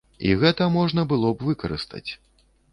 І гэта можна было б выкарыстаць.